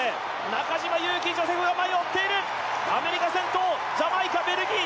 中島佑気ジョセフが前を追っているアメリカ先頭ジャマイカベルギー